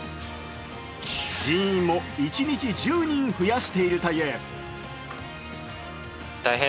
人員も一日１０人増やしているという。